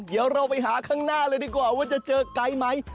เดี๋ยวเราไปหาข้างหน้าเลยดีกว่าว่าจะเจอไกด์ไหม